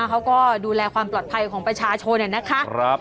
เขาก็ดูแลความปลอดภัยของประชาชนนะคะ